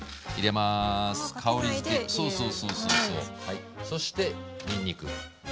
はいそしてにんにく。